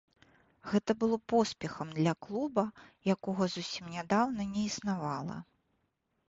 Гэта было поспехам для клуба, якога зусім нядаўна не існавала.